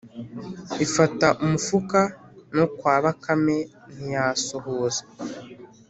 ifata umufuka no kwa bakame ntiyasuhuza